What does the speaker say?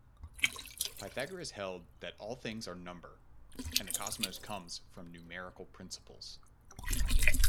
Pythagoras held that all things are number, and the cosmos comes from numerical principles.